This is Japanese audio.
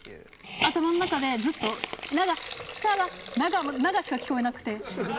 頭の中でずっと「ながなが」「なが」しか聞こえなくて。